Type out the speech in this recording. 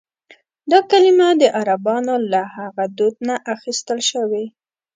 دا کلیمه د عربانو له هغه دود نه اخیستل شوې.